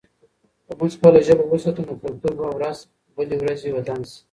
که موږ خپله ژبه وساتو، نو کلتور به ورځ بلې ورځې ودان شي.